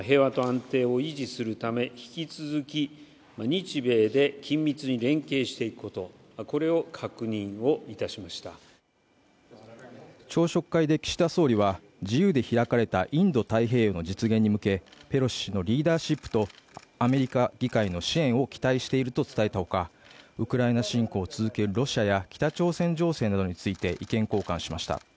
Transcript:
日米韓で連携して対応していくことを確認しました朝食会で岸田総理は自由で開かれたインド太平洋の実現に向けペロシ氏のリーダーシップとアメリカ議会の支援を期待していると伝えたほかウクライナ侵攻を続けるロシアや北朝鮮情勢などについて意見交換しました